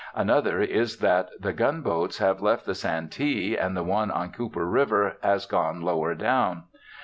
Another is that the Gun Boats have left the Santee and the one on Cooper river has gone lower down.